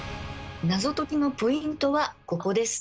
謎解きのポイントはここです。